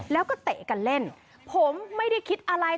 แล้วก็เตะกันเล่นผมไม่ได้คิดอะไร